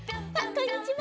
こんにちは。